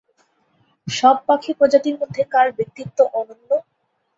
সব পাখি প্রজাতির মধ্যে কার ব্যক্তিত্ব অনন্য?